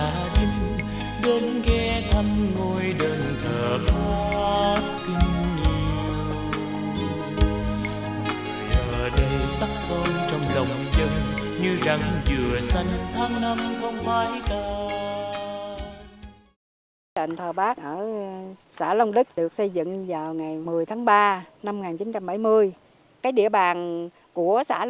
hạnh phúc máu